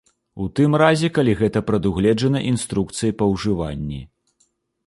У тым разе, калі гэта прадугледжана інструкцыяй па ўжыванні.